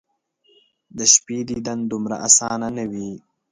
د شپې دیدن دومره اسانه ،نه وي